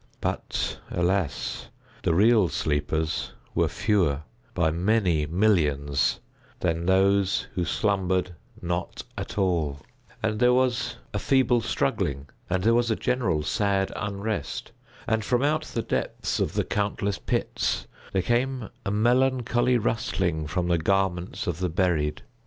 But alas! the real sleepers were fewer, by many millions, than those who slumbered not at all; and there was a feeble struggling; and there was a general sad unrest; and from out the depths of the countless pits there came a melancholy rustling from the garments of the buried.